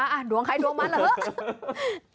ดวงใครดวงมันเหรอ